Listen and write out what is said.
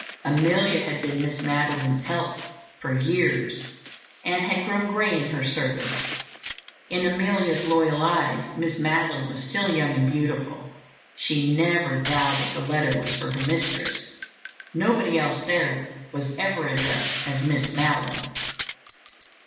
Amelia had been Miss Madeline's "help" for years and had grown grey in her service. In Amelia's loyal eyes Miss Madeline was still young and beautiful; she never doubted that the letter was for her mistress. Nobody else there was ever addressed as "Miss Madeline."